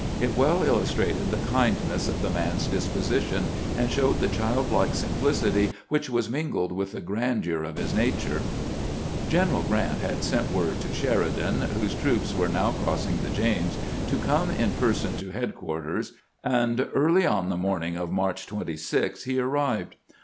It well illustrated the kindness of the man's disposition, and showed the childlike sim plicity which was mingled with the grandeur of his nature. General Grant had sent word to Sheridan, whose troops were now crossing the James, to come in person SHERIDAN'S FINAL OEDEES 411 to headquarters, and early on the morning of March 26 he arrived.